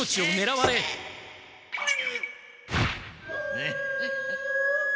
フッフフ。